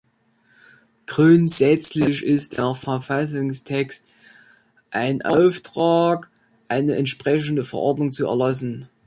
Grundsätzlich ist der Verfassungstext ein Auftrag, eine entsprechende Verordnung zu erlassen.